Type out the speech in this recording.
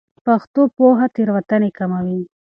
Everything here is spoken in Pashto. پښتو پوهه تېروتنې کموي.